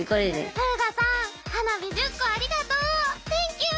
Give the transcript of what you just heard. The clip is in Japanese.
「フーガさん花火１０個ありがとう！テンキュー。